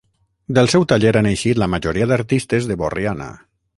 Del seu taller han eixit la majoria d'artistes de Borriana.